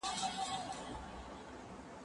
زه به اوږده موده ښوونځی ته تللی وم؟!